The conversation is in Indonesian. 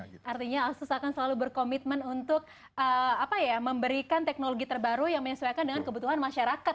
artinya asus akan selalu berkomitmen untuk memberikan teknologi terbaru yang menyesuaikan dengan kebutuhan masyarakat